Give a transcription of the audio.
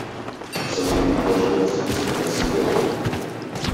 В Сомали продолжает распространяться голод.